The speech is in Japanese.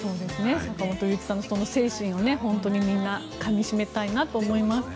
坂本龍一さんの精神をかみしめたいなと思います。